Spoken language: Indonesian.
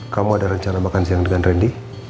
kamu ada rencana makan siang dengan randy